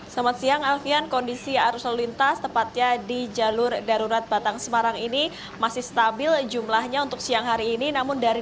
selamat siang alfian kondisi arus lalu lintas tepatnya di jalur darurat batang semarang ini masih stabil jumlahnya untuk siang hari ini